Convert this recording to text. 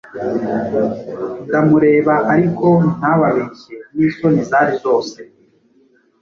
ndamureba ariko ntababeshye n'isoni zari zose